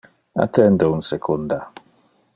Attende un secunda.